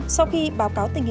một cấp quý